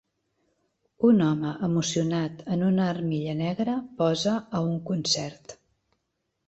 Un home emocionat en una armilla negra posa a un concert.